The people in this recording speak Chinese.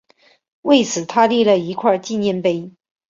为此他立了一块纪念碑。